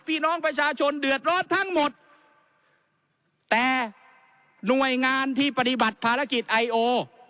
พี่น้องประชาชนเดือดร้อนทั้งหมดแต่หน่วยงานที่ปฏิบัติภารกิจไอโอ